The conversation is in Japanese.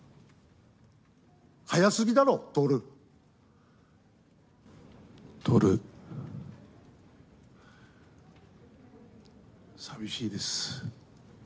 早すぎだろ、徹、寂しいです。